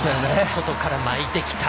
外から巻いてきた。